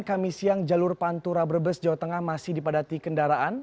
kami siang jalur pantura brebes jawa tengah masih dipadati kendaraan